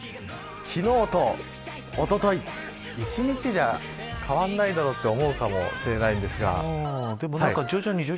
昨日とおととい、１日では変わらないだろうと思うかもしれませんが。